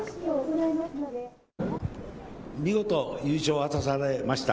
見事優勝を果たされました